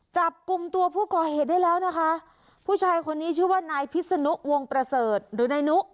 จับกลุ่มตัวผู้ก่อเหตุได้แล้วนะคะผู้ชายคนนี้ชื่อว่านายพิษนุวงประเสริฐหรือนายนุ